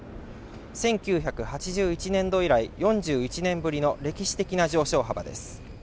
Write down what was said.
１９８１年度以来４１年ぶりの歴史的な上昇幅です。